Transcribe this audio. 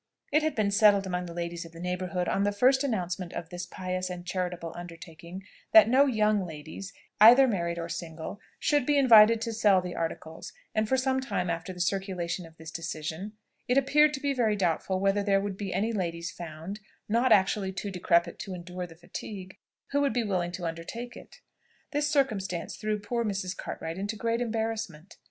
It had been settled among the ladies of the neighbourhood, on the first announcement of this pious and charitable undertaking, that no young ladies, either married or single, should be invited to sell the articles; and for some time after the circulation of this decision, it appeared to be very doubtful whether there would be any ladies found (not actually too decrepit to endure the fatigue) who would be willing to undertake it. This circumstance threw poor Mrs. Cartwright into great embarrassment.